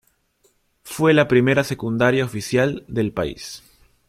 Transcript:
Fue la primera secundaria oficial del país.